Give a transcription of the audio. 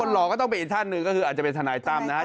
หล่อก็ต้องเป็นอีกท่านหนึ่งก็คืออาจจะเป็นทนายตั้มนะฮะ